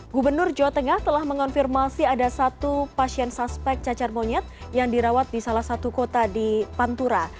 gubernur jawa tengah telah mengonfirmasi ada satu pasien suspek cacar monyet yang dirawat di salah satu kota di pantura